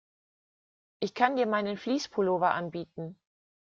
Ich kann dir meinen Fleece-Pullover anbieten.